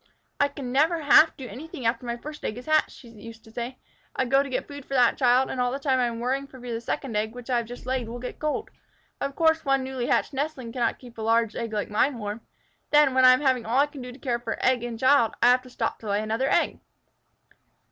"I can never half do anything after my first egg is hatched," she used to say. "I go to get food for that child, and all the time I am worrying for fear the second egg, which I have just laid, will get cold. Of course one newly hatched nestling cannot keep a large egg like mine warm. Then, when I am having all I can do to care for child and egg, I have to stop to lay another egg."